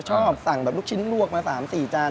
ชอบสั่งแบบลูกชิ้นลวกมา๓๔จาน